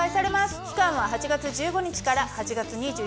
期間は８月１５日から８月２７日まで。